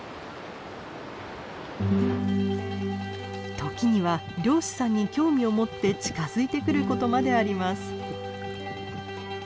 時には漁師さんに興味を持って近づいてくることまであります。